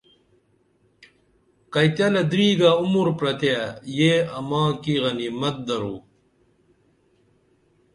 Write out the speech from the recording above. کئیتلہ دریگہ عمر پرتیہ یہ اما کی غنمیت درو